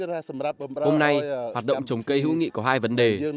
hôm nay hoạt động trồng cây hữu nghị có hai vấn đề